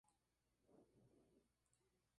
Las flores se agrupan en inflorescencias en racimo.